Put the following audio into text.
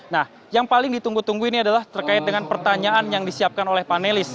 nah yang paling ditunggu tunggu ini adalah terkait dengan pertanyaan yang disiapkan oleh panelis